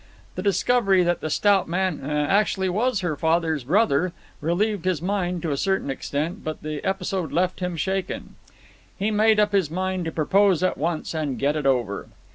The discovery that the stout man actually was her father's brother relieved his mind to a certain extent, but the episode left him shaken. He made up his mind to propose at once and get it over.